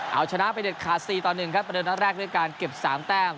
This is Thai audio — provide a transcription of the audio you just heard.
เอาชนะไปเดินคาซีต่อ๑ครับไปเดินรัฐแรกด้วยการเก็บ๓แต้ม